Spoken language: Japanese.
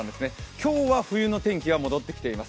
今日は冬の天気が戻ってきています。